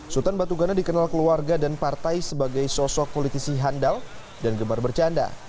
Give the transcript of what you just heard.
sutan batugana dikenal keluarga dan partai sebagai sosok politisi handal dan gemar bercanda